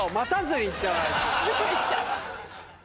すぐ行っちゃう。